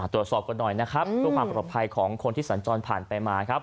ตรวจสอบกันหน่อยนะครับเพื่อความปลอดภัยของคนที่สัญจรผ่านไปมาครับ